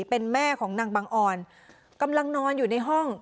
เป็นแม่ของนางบังออนกำลังนอนอยู่ในห้อง